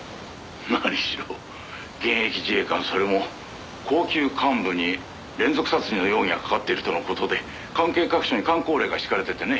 「何しろ現役自衛官それも高級幹部に連続殺人の容疑がかかっているとの事で関係各所に箝口令が敷かれててね。